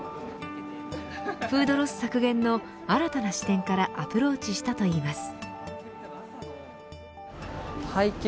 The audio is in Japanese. フードロス削減の新たな視点からアプローチしたといいます。